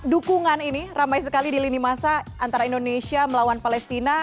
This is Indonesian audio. dukungan ini ramai sekali di lini masa antara indonesia melawan palestina